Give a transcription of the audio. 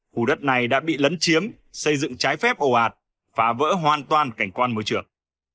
khu đất này đã bị lấn chiếm xây dựng trái phép ồ ạt phá vỡ hoàn toàn cảnh quan môi trường